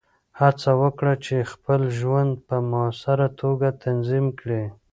هڅه وکړه چې خپل ژوند په مؤثره توګه تنظیم کړې.